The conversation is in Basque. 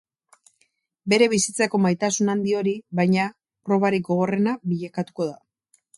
Bere bizitzako maitasun handi hori, baina, probarik gogorrena bilakatuko da.